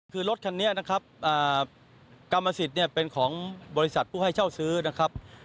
คือรถคันนี้นะครับกรรมสิทธิ์เนี่ยเป็นของบริษัทผู้ให้เช่าซื้อนะครับ